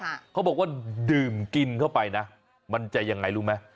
เขาบอกว่าดื่มกินเข้าไปนะมันจะยังไงรู้ไหม